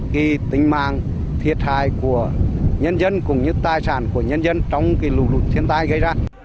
cái tính mạng thiệt hại của nhân dân cũng như tài sản của nhân dân trong cái lũ lụt thiên tai gây ra